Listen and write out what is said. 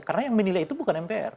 karena yang menilai itu bukan mpr